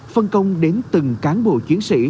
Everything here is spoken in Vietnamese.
phân công đến từng cán bộ chiến sĩ